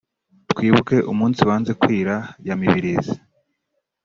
’Twibuke Umunsi Wanze Kwira’ ya Mibirizi